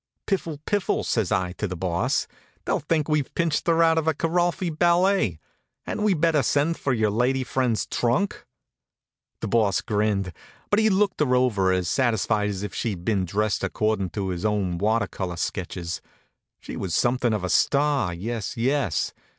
"Piffle! Piffle!" says I to the Boss. "They'll think we've pinched her out of a Kiralfy ballet. Hadn't we better send for yer lady fren's trunk?" The Boss grinned, but he looked her over as satisfied as if she'd been dressed accordin' to his own water color sketches. She was something of a star, yes, yes!